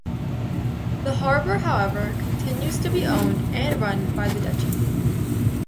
The harbour however continues to be owned and run by the Duchy.